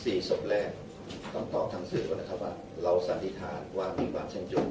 สี่ศพแรกต้องตอบทางสื่อก่อนนะครับว่าเราสันนิษฐานว่ามีความเชื่อ